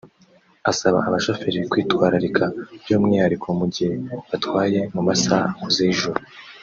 asaba abashoferi kwitwararika by’umwihariko mu gihe batwaye mu masaha akuze y’ijoro